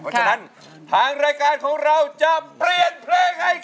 เพราะฉะนั้นทางรายการของเราจะเปลี่ยนเพลงให้ครับ